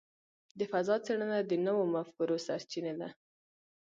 د فضاء څېړنه د نوو مفکورو سرچینه ده.